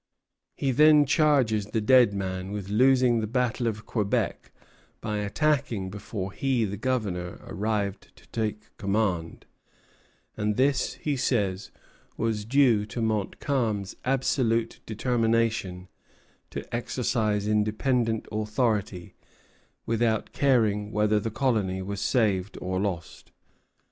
He then charges the dead man with losing the battle of Quebec by attacking before he, the Governor, arrived to take command; and this, he says, was due to Montcalm's absolute determination to exercise independent authority, without caring whether the colony was saved or lost.